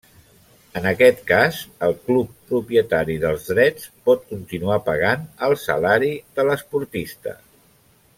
En aquest cas, el club propietari dels drets pot continuar pagant el salari de l'esportista.